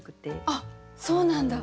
あっそうなんだ。